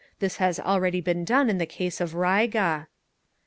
This has already been done in the case of Riga….